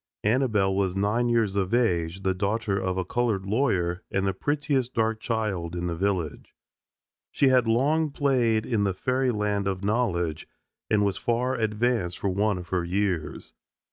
Annabelle was nine years of age, the daughter of a colored lawyer, and the prettiest dark child in the village. She had long played in the fairyland of knowledge, and was far advanced for one of her years.